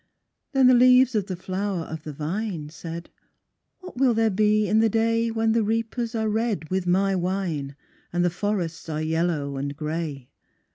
Then the leaves of the flower of the vine Said, "what will there be in the day When the reapers are red with my wine, And the forests are yellow and grey?"